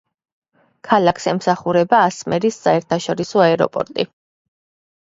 ქალაქს ემსახურება ასმერის საერთაშორისო აეროპორტი.